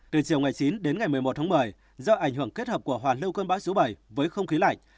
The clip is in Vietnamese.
từ chiều chín một mươi một một mươi do ảnh hưởng kết hợp của hoàn lưu cơn bão số bảy với không khí lạnh